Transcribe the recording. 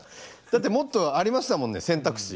だってもっとありましたもんね選択肢。